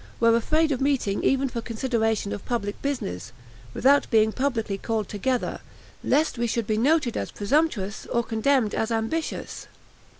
were afraid of meeting even for consideration of public business, without being publicly called together, lest we should be noted as presumptuous or condemned as ambitious.